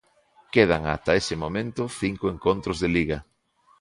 Quedan ata ese momento cinco encontros de Liga.